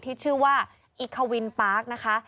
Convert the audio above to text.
ที่ชื่อว่าอิควินปาร์คนะคะ